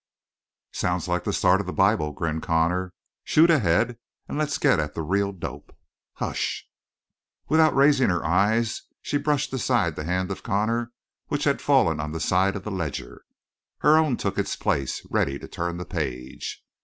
"Sounds like the start of the Bible," grinned Connor. "Shoot ahead and let's get at the real dope." "Hush!" Without raising her eyes, she brushed aside the hand of Connor which had fallen on the side of the ledger. Her own took its place, ready to turn the page.